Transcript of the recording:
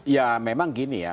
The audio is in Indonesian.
ya memang gini ya